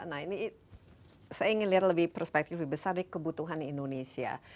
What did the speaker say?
nah ini saya ngeliat lebih perspektif besar dari kebutuhan indonesia